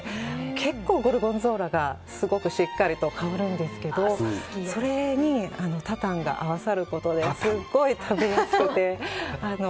結構ゴルゴンゾーラがすごくしっかりと香るんですけどそれにタタンが合わさることですごい食べやすくて。